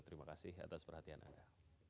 terima kasih atas perhatian anda